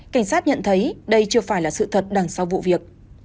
cảnh sát nhận thấy đây chưa phải là sự thật đằng sau vụ việc